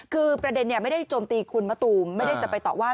คือประเด็นไม่ได้โจมตีคุณมะตูมไม่ได้จะไปต่อว่า